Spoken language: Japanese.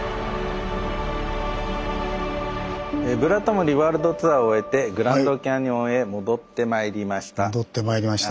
「ブラタモリワールドツアー」を終えてグランドキャニオンへ戻ってまいりました。